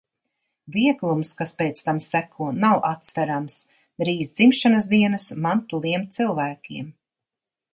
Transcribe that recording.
Vieglums, kas pēc tam seko, nav atsverams. Drīz dzimšanas dienas man tuviem cilvēkiem.